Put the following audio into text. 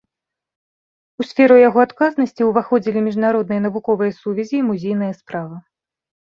У сферу яго адказнасці ўваходзілі міжнародныя навуковыя сувязі і музейная справа.